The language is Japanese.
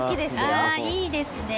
ああいいですね。